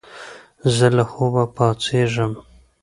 زه له خوبه پاڅېږم.